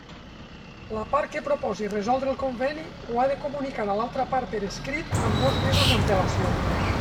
La part que proposi resoldre el Conveni ho ha de comunicar a l'altra part per escrit amb dos mesos d'antelació.